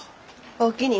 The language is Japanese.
おおきに。